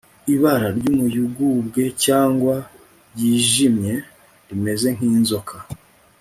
ibara ry'umuyugubwe cyangwa ryijimye, rimeze nk'inzoka